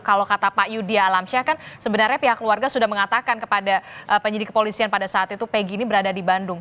kalau kata pak yudi alamsyah kan sebenarnya pihak keluarga sudah mengatakan kepada penyidik kepolisian pada saat itu pegi ini berada di bandung